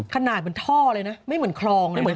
ขนาดเป็นท่อเลยนะไม่เหมือนคลองเลยนะ